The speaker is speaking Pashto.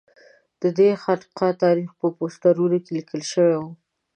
ددې خانقا تاریخ په پوسټرونو کې لیکل شوی و.